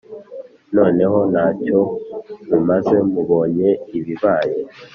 Noneho nta cyo mumaze Mubonye ibibaye